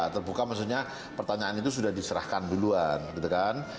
terbuka maksudnya pertanyaan itu sudah diserahkan duluan gitu kan